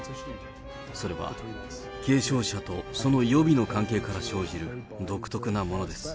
それは継承者とその予備の関係から生じる独特なものです。